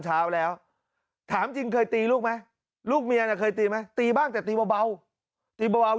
เช้าแล้วถามจริงเคยตีลูกไหมลูกเมียน่ะเคยตีไหมตีบ้างแต่ตีเบาตีเบา